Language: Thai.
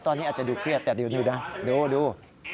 ตอนนี้อาจจะดูเครียดแต่ดูนะดู